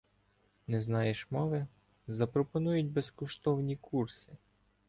Не знаєш мови? Запропонують безкоштовні курси